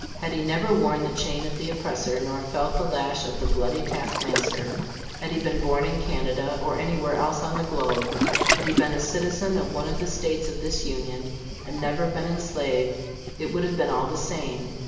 Had he never worn the chain of the oppressor, nor felt the lash of the bloody task master had he been born in Canada, or any where else on the globe had he been a citizen of one of the States of this Union, and never been enslaved, it would have been all the same.